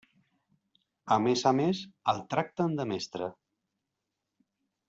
A més a més, el tracten de mestre.